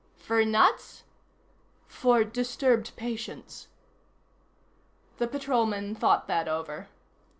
"For nuts?" "For disturbed patients." The Patrolman thought that over.